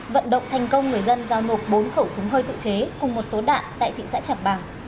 vận động thành công người dân giao nộp bốn khẩu súng hơi tự chế cùng một số đạn tại thị xã trạng bàng